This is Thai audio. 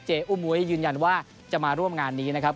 อุ้มมุ้ยยืนยันว่าจะมาร่วมงานนี้นะครับ